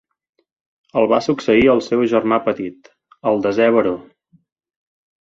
El va succeir seu germà petit, el desè baró.